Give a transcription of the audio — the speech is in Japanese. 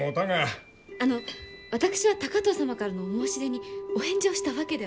あの私は高藤様からのお申し出にお返事をしたわけでは。